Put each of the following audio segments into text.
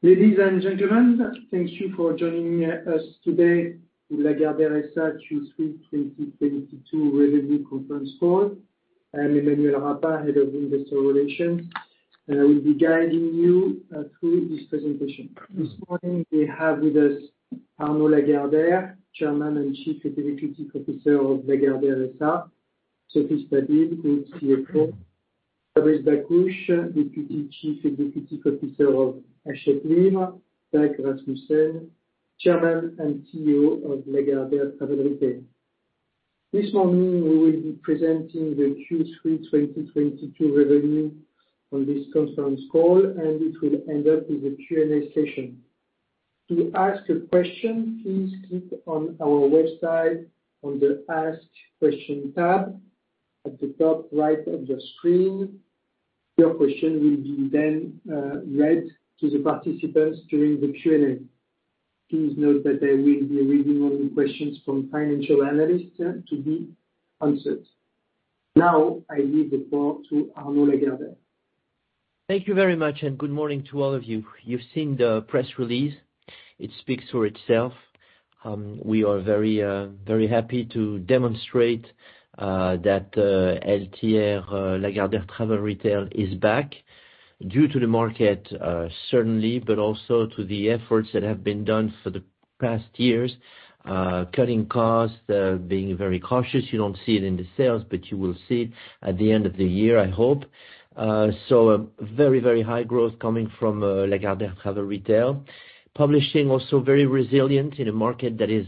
Ladies and gentlemen, thank you for joining us today in Lagardère SA Q3 2022 Revenue Conference Call. I'm Emmanuel Rapin, Head of Investor Relations. I will be guiding you through this presentation. This morning, we have with us Arnaud Lagardère, Chairman and Chief Executive Officer of Lagardère SA. Sophie Stabile, Group CFO. Fabrice Bakhouche, Deputy Chief Executive Officer of Hachette Livre. Dag Rasmussen, Chairman and CEO of Lagardère Travel Retail. This morning, we will be presenting the Q3 2022 revenue on this conference call, and it will end up with a Q&A session. To ask a question, please click on our website on the Ask Question tab at the top right of the screen. Your question will be then read to the participants during the Q&A. Please note that I will be reading only questions from financial analysts to be answered. Now I leave the floor to Arnaud Lagardère. Thank you very much, and good morning to all of you. You've seen the press release. It speaks for itself. We are very happy to demonstrate that LTR, Lagardère Travel Retail is back due to the market, certainly, but also to the efforts that have been done for the past years, cutting costs, being very cautious. You don't see it in the sales, but you will see it at the end of the year, I hope. Very high growth coming from Lagardère Travel Retail. Publishing, also very resilient in a market that is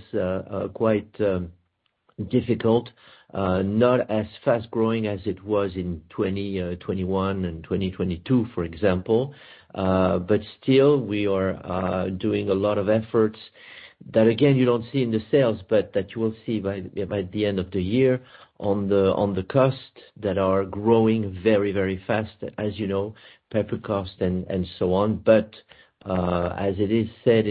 quite difficult. Not as fast-growing as it was in 2021 and 2022, for example. still, we are doing a lot of efforts that again, you don't see in the sales, but that you will see by the end of the year on the costs that are growing very fast, as you know, paper cost and so on. As it is said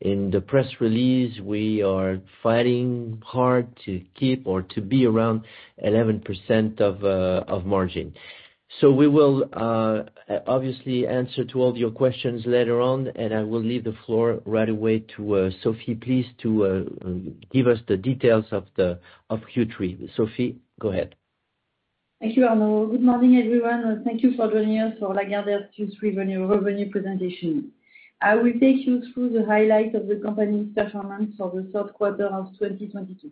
in the press release, we are fighting hard to keep or to be around 11% of margin. We will obviously answer to all of your questions later on, and I will leave the floor right away to Sophie, please, to give us the details of Q3. Sophie, go ahead. Thank you, Arnaud. Good morning, everyone, and thank you for joining us for Lagardère Q3 revenue presentation. I will take you through the highlights of the company's performance for the third quarter of 2022.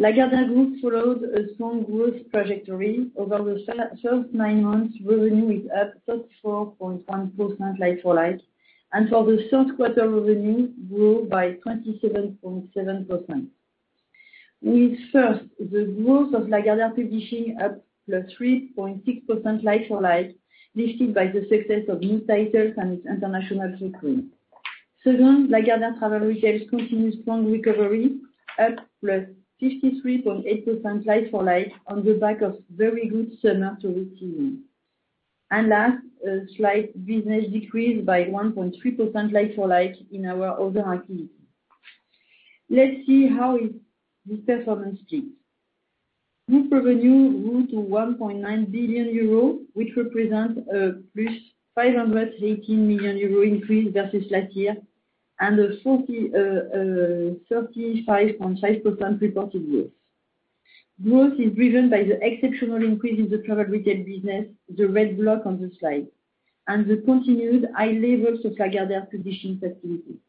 Lagardère Group followed a strong growth trajectory. Over the first nine months, revenue is up +4.1% like-for-like. For the third quarter, revenue grew by 27.7%. First, the growth of Lagardère Publishing up +3.6% like-for-like, lifted by the success of new titles and its international footprint. Second, Lagardère Travel Retail continues strong recovery, up +53.8% like-for-like on the back of very good summer tourist season. Last, a slight business decrease by 1.3% like-for-like in our other activities. Let's see how this performance shifts. Group revenue grew to 1.9 billion euros, which represent a +518 million euros increase versus last year, and a 35.5% reported growth. Growth is driven by the exceptional increase in the Travel Retail business, the red block on the slide, and the continued high levels of Lagardère Publishing's activities.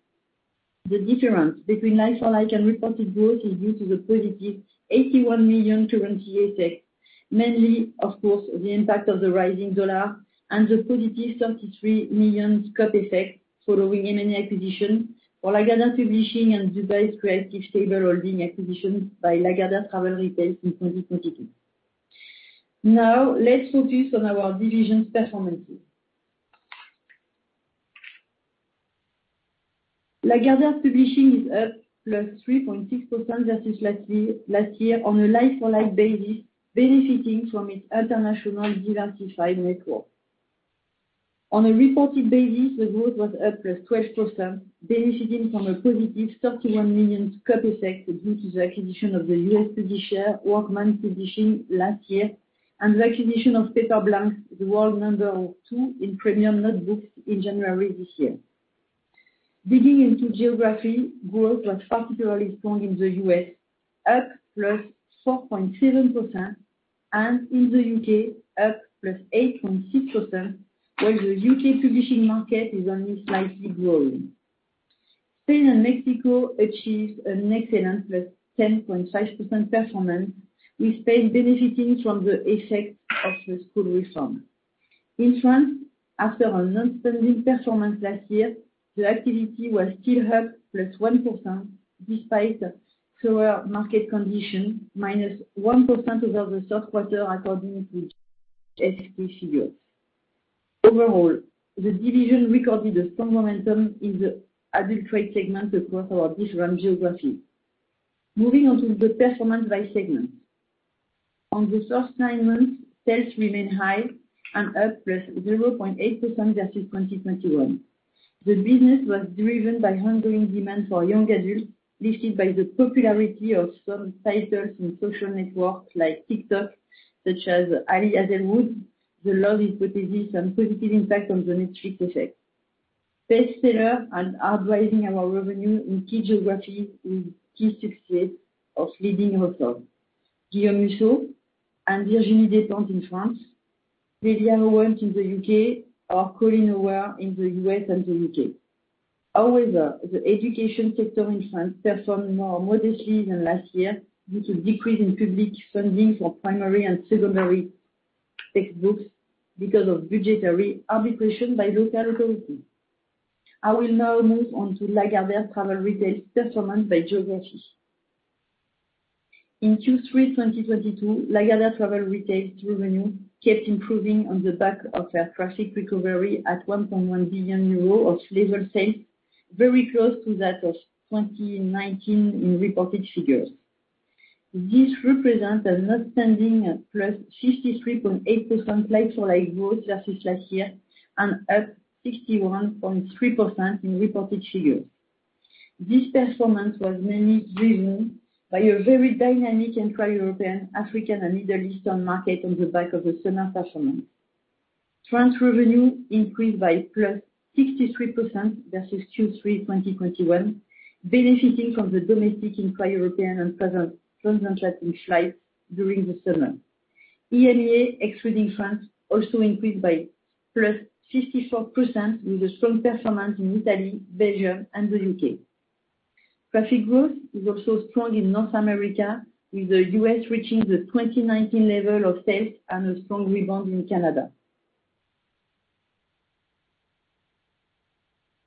The difference between like-for-like and reported growth is due to the positive 81 million currency effect, mainly of course, the impact of the rising dollar and the +33 million scope effect following M&A acquisition for Lagardère Publishing and Dubai's Creative Table Holdings acquisition by Lagardère Travel Retail in 2022. Now, let's focus on our divisions' performances. Lagardère Publishing is up +3.6% versus last year on a like-for-like basis, benefiting from its international diversified network. On a reported basis, the growth was up +12%, benefiting from a positive 31 million scope effect due to the acquisition of the U.S. publisher, Workman Publishing, last year, and the acquisition of Paperblanks, the world number two in premium notebooks, in January this year. Digging into geography, growth was particularly strong in the U.S., up +4.7%, and in the U.K., up +8.6%, where the U.K. publishing market is only slightly growing. Spain and Mexico achieved an excellent +10.5% performance, with Spain benefiting from the effect of the school reform. In France, after a non-spending performance last year, the activity was still up +1% despite slower market conditions, -1% over the third quarter according to GfK figures. Overall, the division recorded a strong momentum in the adult trade segment across our different geographies. Moving on to the performance by segment. On the first nine months, sales remain high and up +0.8% versus 2021. The business was driven by ongoing demand for young adults, lifted by the popularity of some titles in social networks like TikTok, such as Ali Hazelwood, The Love Hypothesis, and positive impact on the net price effect. Bestsellers driving our revenue in key geographies with key success of L'Inconnue de la Seine, Guillaume Musso, and Virginie Despentes in France, Olivia Owens in the UK, or Colleen Hoover in the US and the UK. However, the education sector in France performed more modestly than last year due to decrease in public funding for primary and secondary textbooks because of budgetary arbitration by local authorities. I will now move on to Lagardère Travel Retail's performance by geography. In Q3 2022, Lagardère Travel Retail's revenue kept improving on the back of air traffic recovery at 1.1 billion euros of leisure sales, very close to that of 2019 in reported figures. This represents an outstanding +63.8% like-for-like growth versus last year and up 61.3% in reported figures. This performance was mainly driven by a very dynamic intra-European, African, and Middle Eastern market on the back of the summer performance. France revenue increased by +63% versus Q3 2021, benefiting from the domestic intra-European and trans-Atlantic flights during the summer. EMEA, excluding France, also increased by +54% with a strong performance in Italy, Belgium, and the UK. Traffic growth is also strong in North America, with the US reaching the 2019 level of sales and a strong rebound in Canada.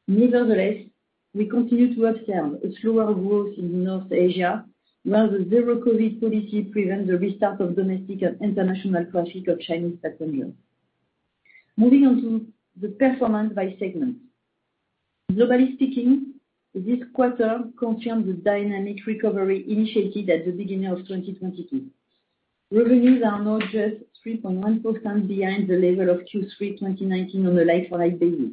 Nevertheless, we continue to observe a slower growth in North Asia while the zero-COVID policy prevents the restart of domestic and international traffic of Chinese passengers. Moving on to the performance by segment. Globally speaking, this quarter confirmed the dynamic recovery initiated at the beginning of 2022. Revenues are now just 3.1% behind the level of Q3 2019 on a like-for-like basis.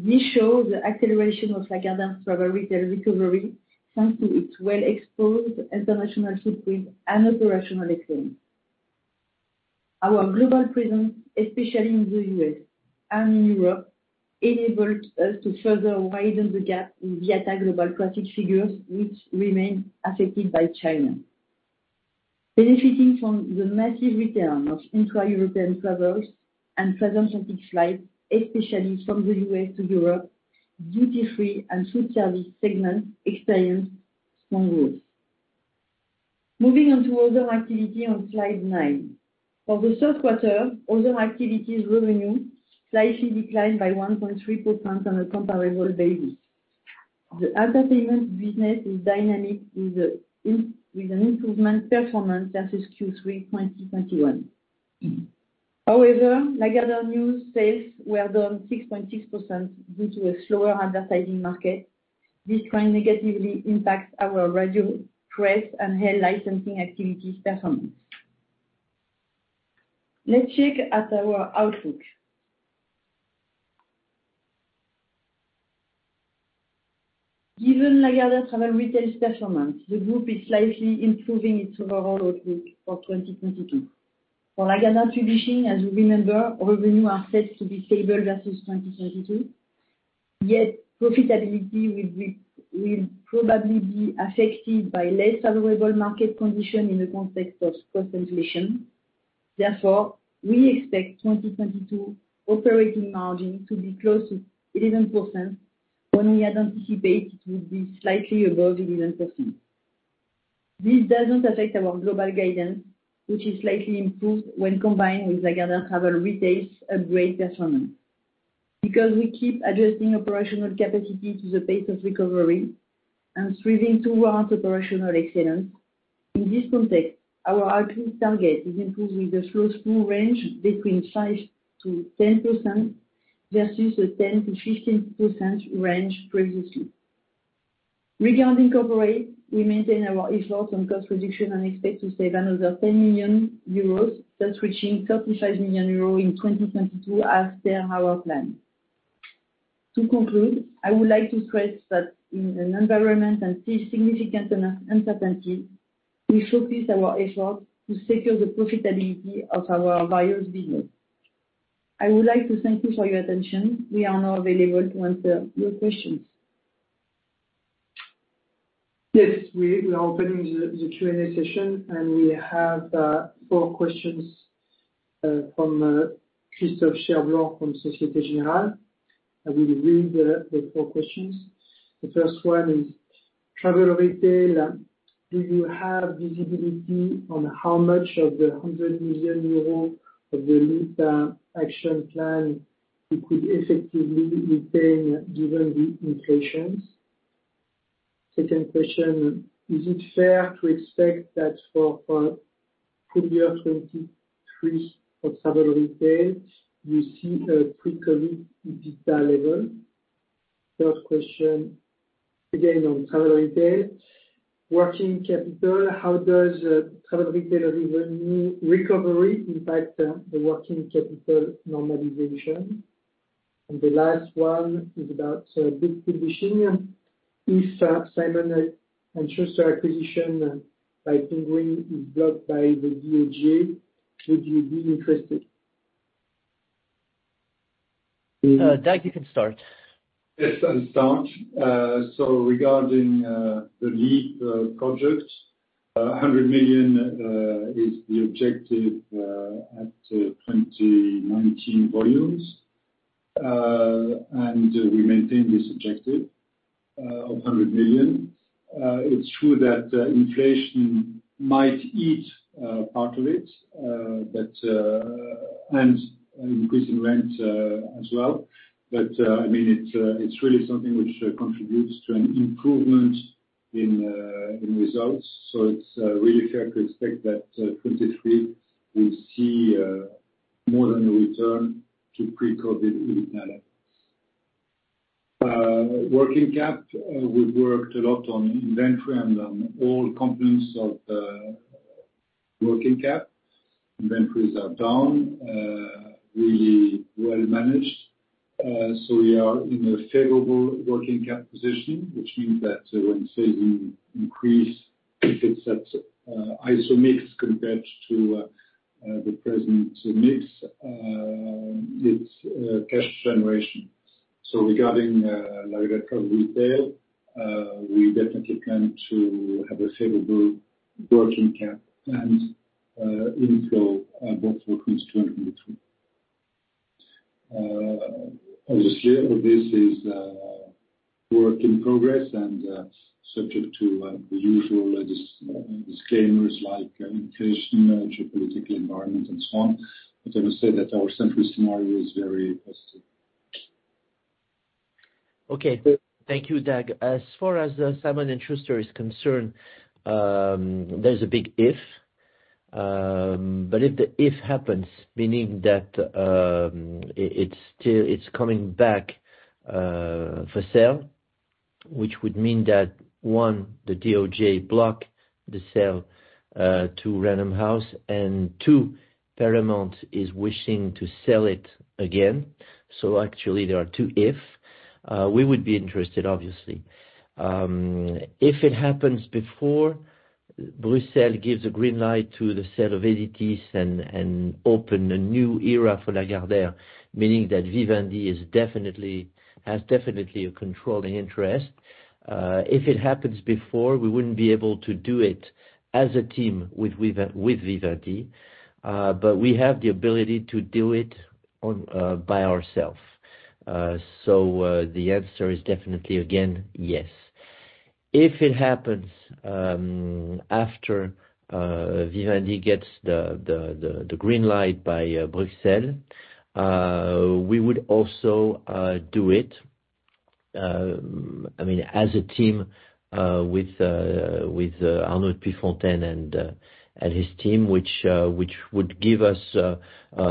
This shows the acceleration of Lagardère Travel Retail recovery, thanks to its well-exposed international footprint and operational excellence. Our global presence, especially in the US and in Europe, enabled us to further widen the gap in the actual global traffic figures, which remain affected by China. Benefiting from the massive return of intra-European travelers and trans-Atlantic flights, especially from the US to Europe, duty-free and food service segments experienced strong growth. Moving on to other activity on slide nine. For the third quarter, other activities revenue slightly declined by 1.3% on a comparable basis. The advertising business is dynamic with an improvement performance versus Q3 2021. However, Lagardère News sales were down 6.6% due to a slower advertising market. This trend negatively impacts our radio, press, and Elle licensing activity performance. Let's check at our outlook. Given Lagardère Travel Retail's performance, the group is slightly improving its overall outlook for 2022. For Lagardère Publishing, as you remember, revenues are set to be stable versus 2022, yet profitability will probably be affected by less favorable market condition in the context of cost inflation. Therefore, we expect 2022 operating margin to be close to 11% when we anticipate it will be slightly above 11%. This doesn't affect our global guidance, which is slightly improved when combined with Lagardère Travel Retail's upgraded performance. Because we keep adjusting operational capacity to the pace of recovery and striving towards operational excellence. In this context, our outlook target is improved with a slightly smaller range between 5%-10% versus a 10%-15% range previously. Regarding corporate, we maintain our efforts on cost reduction and expect to save another 10 million euros, thus reaching 35 million euros in 2022 as per our plan. To conclude, I would like to stress that in an environment that sees significant uncertainty, we showcase our efforts to secure the profitability of our various businesses. I would like to thank you for your attention. We are now available to answer your questions. Yes, we are opening the Q&A session, and we have four questions from Christophe Cherblanc from Société Générale. I will read the four questions. The first one is: Travel Retail, do you have visibility on how much of the 100 million euro of the midterm action plan you could effectively retain given the inflation? Second question: Is it fair to expect that for full year 2023 for Travel Retail, you see a pre-COVID EBITDA level? Third question. Again, on travel retail. Working capital, how does travel retail recovery impact the working capital normalization? And the last one is about book publishing. If Simon & Schuster acquisition by Penguin is blocked by the DOJ, would you be interested? Dag, you can start. Yes, I'll start. So regarding the LEAP project, 100 million is the objective at 2019 volumes. We maintain this objective of 100 million. It's true that inflation might eat part of it, but an increase in rent as well. I mean, it's really something which contributes to an improvement in results. It's really fair to expect that 2023 we'll see more than a return to pre-COVID levels. Working cap, we've worked a lot on inventory and on all components of working cap. Inventories are down, really well managed. We are in a favorable working cap position, which means that when sales increase, if it's at iso mix compared to the present mix, it's cash generation. Regarding Lagardère Travel Retail, we definitely plan to have a favorable working cap and inflow both for FY 2022. Obviously this is work in progress and subject to the usual legals, disclaimers like inflation, geopolitical environment and so on. I would say that our central scenario is very positive. Okay. Thank you, Dag. As far as Simon & Schuster is concerned, there's a big if. If the if happens, meaning that it is coming back for sale, which would mean that, one, the DOJ blocked the sale to Random House, and two, Paramount is wishing to sell it again. Actually there are two if. We would be interested, obviously. If it happens before Brussels gives a green light to the sale of Editis and open a new era for Lagardère, meaning that Vivendi has definitely a controlling interest. If it happens before, we wouldn't be able to do it as a team with Vivendi, but we have the ability to do it by ourselves. The answer is definitely again, yes. If it happens after Vivendi gets the green light by Brussels, we would also do it, I mean, as a team with Arnaud de Puyfontaine and his team, which would give us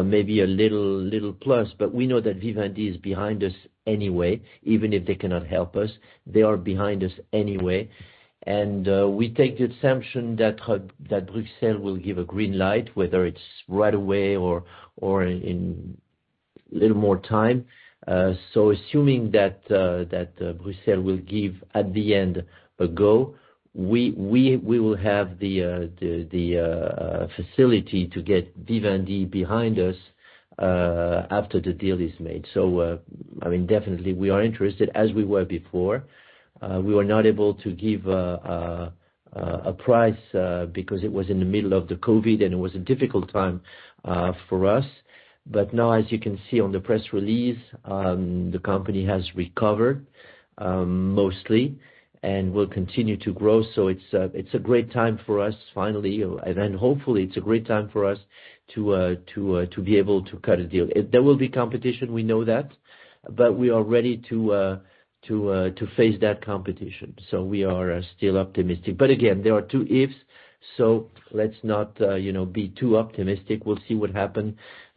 maybe a little plus. We know that Vivendi is behind us anyway. Even if they cannot help us, they are behind us anyway. We take the assumption that Brussels will give a green light, whether it's right away or in little more time. Assuming that Brussels will give at the end a go, we will have the facility to get Vivendi behind us after the deal is made. I mean, definitely we are interested as we were before. We were not able to give a price because it was in the middle of the COVID and it was a difficult time for us. Now as you can see on the press release, the company has recovered mostly and will continue to grow. It's a great time for us finally, and then hopefully it's a great time for us to be able to cut a deal. There will be competition, we know that, but we are ready to face that competition. We are still optimistic. Again, there are two ifs, so let's not, you know, be too optimistic. We'll see what happens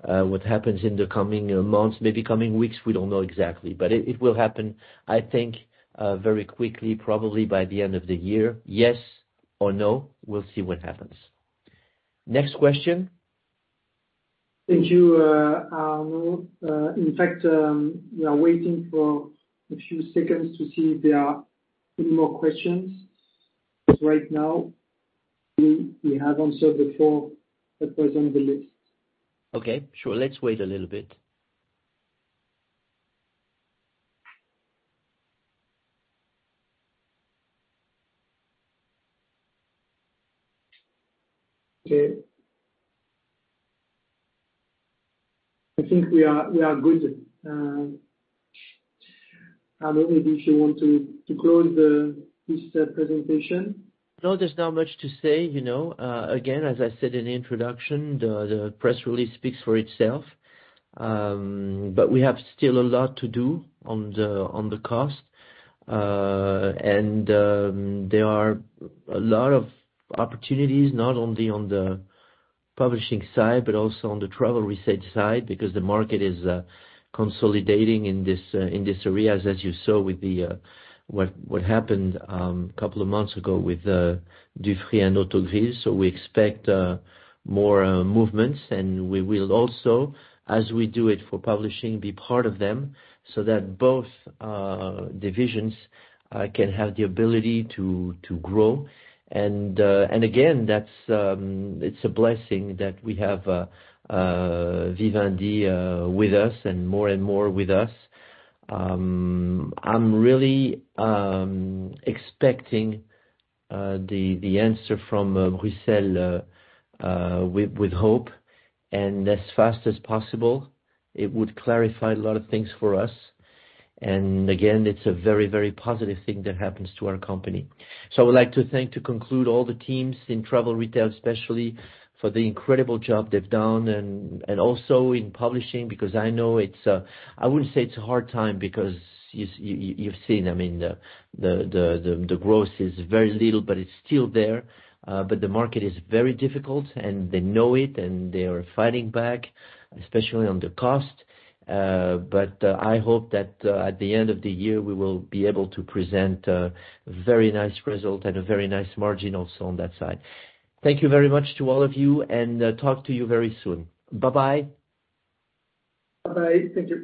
in the coming months, maybe coming weeks, we don't know exactly. It will happen, I think, very quickly, probably by the end of the year. Yes or no, we'll see what happens. Next question? Thank you, Arnaud. In fact, we are waiting for a few seconds to see if there are any more questions, because right now we have answered the four that was on the list. Okay, sure. Let's wait a little bit. Okay. I think we are good. Arnaud, maybe if you want to close this presentation. No, there's not much to say, you know. Again, as I said in the introduction, the press release speaks for itself. We have still a lot to do on the cost. There are a lot of opportunities not only on the publishing side, but also on the travel retail side, because the market is consolidating in this area, as you saw with what happened couple of months ago with Dufry and Autogrill. We expect more movements and we will also, as we do it for publishing, be part of them so that both divisions can have the ability to grow. Again, that's a blessing that we have Vivendi with us and more and more with us. I'm really expecting the answer from Brussels with hope and as fast as possible. It would clarify a lot of things for us. Again, it's a very positive thing that happens to our company. I would like to thank, to conclude all the teams in travel retail especially, for the incredible job they've done and also in publishing, because I know I wouldn't say it's a hard time because you've seen, I mean, the growth is very little, but it's still there. But the market is very difficult and they know it and they are fighting back, especially on the cost. I hope that at the end of the year we will be able to present a very nice result and a very nice margin also on that side. Thank you very much to all of you and talk to you very soon. Bye-bye. Bye-bye. Thank you.